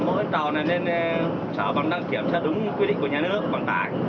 mỗi tàu này nên chở bằng đăng kiểm tra đúng quy định của nhà nước bằng tải